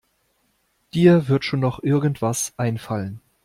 Dir wird schon noch irgendetwas einfallen.